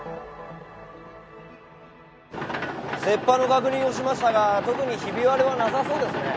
確認をしましたが特にひび割れはなさそうですね。